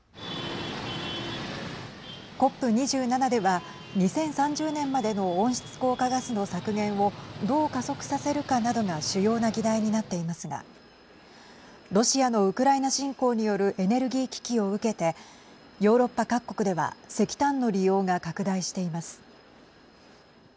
ＣＯＰ２７では２０３０年までの温室効果ガスの削減をどう加速させるかなどが主要な議題になっていますがロシアのウクライナ侵攻によるエネルギー危機を受けてヨーロッパ各国では石炭の利用が拡大しています。